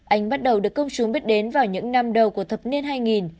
anh bắt đầu được công chúng biết đến vào những năm đầu của thập niên hai nghìn